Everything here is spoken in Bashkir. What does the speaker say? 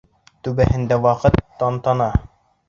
Түбәһендә ваҡыт — тантана.